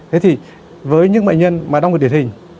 thế thì với những bệnh nhân mà đau người điển hình